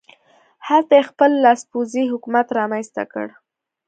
هلته یې خپل لاسپوڅی حکومت رامنځته کړ.